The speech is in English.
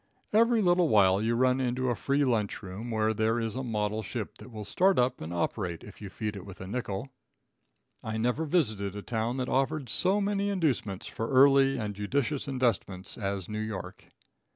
Every little while you run into a free lunch room where there is a model ship that will start up and operate if you feed it with a nickle. I never visited a town that offered so many inducements for early and judicious investments as New York.